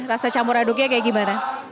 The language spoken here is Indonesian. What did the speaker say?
rasa campur aduknya kayak gimana